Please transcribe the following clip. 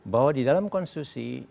bahwa di dalam konstitusi